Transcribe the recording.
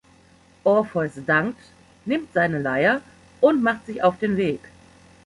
Orpheus dankt, nimmt seine Leier und macht sich auf den Weg.